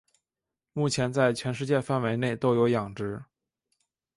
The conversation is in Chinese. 目前在全世界范围内都有养殖。